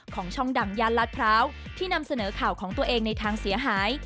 ของช่องดังย่านลาดพร้าวที่นำเสนอข่าวของตัวเองในทางเสียหาย